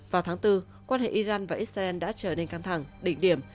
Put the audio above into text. vào tháng bốn quan hệ iran và israel đã trở nên căng thẳng đỉnh điểm